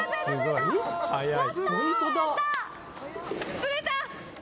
釣れた！